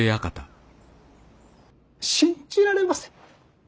信じられません。